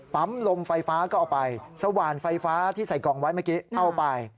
ลมไฟฟ้าก็เอาไปสว่านไฟฟ้าที่ใส่กล่องไว้เมื่อกี้เอาไป